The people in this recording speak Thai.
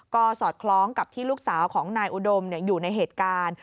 ก็สอดคล้องกับที่ลูกสาวของนายอุดมอยู่ในเหตุการณ์